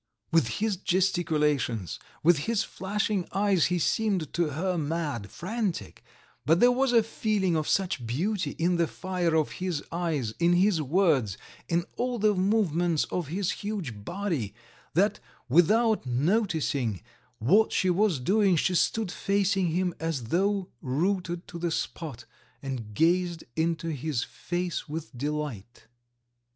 With his gesticulations, with his flashing eyes he seemed to her mad, frantic, but there was a feeling of such beauty in the fire of his eyes, in his words, in all the movements of his huge body, that without noticing what she was doing she stood facing him as though rooted to the spot, and gazed into his face with delight.